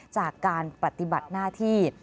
จากการปฏิบัติหน้าที่